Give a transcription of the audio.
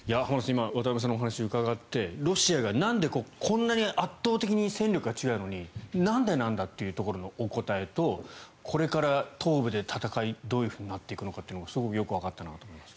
今、渡部さんのお話を伺ってロシアがなんでこんなに圧倒的に戦力が違うのになんでなんだっていうところのお答えとこれから東部の戦いがどうなっていくかというのがすごくよくわかったなと思います。